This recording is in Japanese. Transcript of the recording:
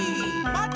まて！